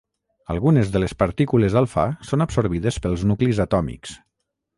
Algunes de les partícules alfa són absorbides pels nuclis atòmics.